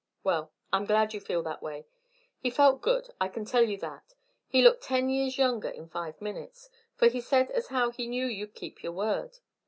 "Well, I'm glad you feel that way. He felt good, I kin tell you that. He looked ten years younger in five minutes, for he said as how he knew you'd keep your word.